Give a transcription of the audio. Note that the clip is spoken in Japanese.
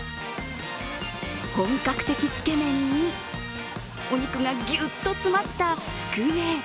本格的つけ麺にお肉がぎゅっと詰まったつくね。